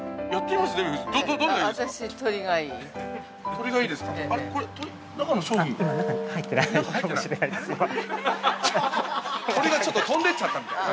◆鳥がちょっと飛んでっちゃったみたいな。